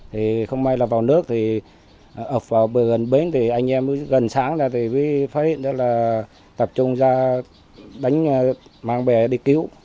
thì không may là vào nước thì ập vào bờ gần bến thì anh em gần sáng là thì mới phát hiện đó là tập trung ra đánh mang về đi cứu